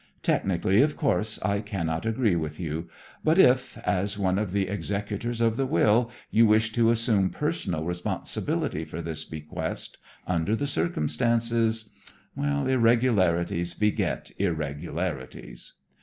Technically, of course, I cannot agree with you. But if, as one of the executors of the will, you wish to assume personal responsibility for this bequest, under the circumstances irregularities beget irregularities."